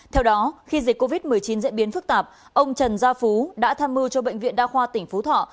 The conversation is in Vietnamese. theo đó khi dịch covid một mươi chín diễn biến phức tạp ông trần gia phú đã tham mưu cho bệnh viện đa khoa tỉnh phú thọ